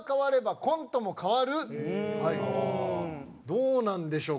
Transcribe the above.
どうなんでしょう？